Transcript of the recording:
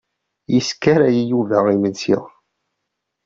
Yeskaray Yuba imensi.